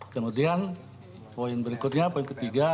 kemudian poin berikutnya poin ketiga